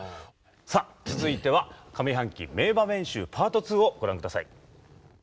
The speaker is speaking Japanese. さあ続いては上半期名場面集パート２をご覧ください。